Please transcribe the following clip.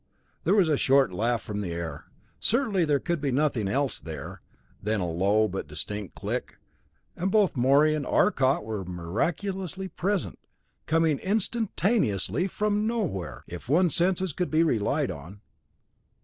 There was a short laugh from the air certainly there could be nothing else there then a low but distinct click, and both Morey and Arcot were miraculously present, coming instantaneously from nowhere, if one's senses could be relied on.